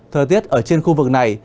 thời tiết ở trên khu vực này